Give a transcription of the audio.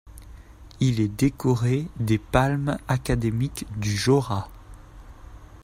Il est décoré des palmes académiques du Jorat.